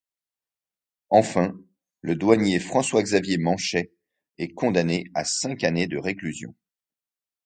Enfin, le douanier François-Xavier Manchet est condamné à cinq années de réclusion.